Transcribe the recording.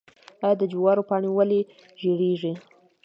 آیا د جوارو پاڼې ولې ژیړیږي؟